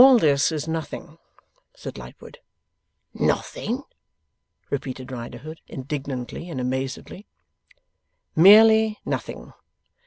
'All this is nothing,' said Lightwood. 'Nothing?' repeated Riderhood, indignantly and amazedly. 'Merely nothing.